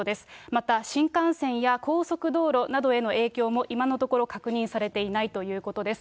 また、新幹線や高速道路などへの影響も今のところ確認されていないということです。